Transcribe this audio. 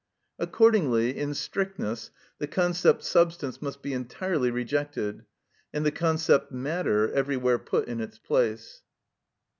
Accordingly, in strictness, the concept substance must be entirely rejected, and the concept matter everywhere put in its place.